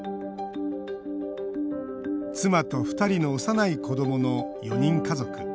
妻と２人の幼い子どもの４人家族。